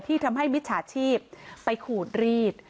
ทำให้มิจฉาชีพไปขูดรีด